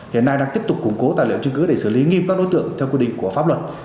hiện nay đang tiếp tục củng cố tài liệu chứng cứ để xử lý nghiêm các đối tượng theo quy định của pháp luật